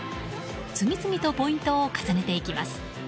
次々とポイントを重ねていきます。